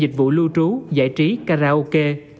dịch vụ lưu trú giải trí karaoke